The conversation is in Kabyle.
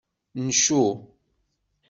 Ncu.